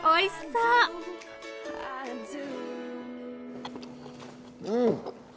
うん。